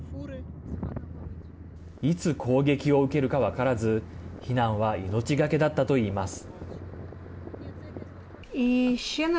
いつ攻撃を受けるか分からず避難は命懸けだったといいます。